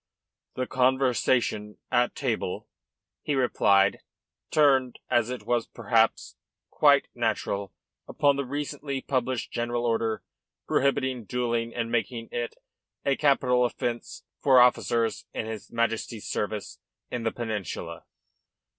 "The conversation at table," he replied, "turned, as was perhaps quite natural, upon the recently published general order prohibiting duelling and making it a capital offence for officers in his Majesty's service in the Peninsula.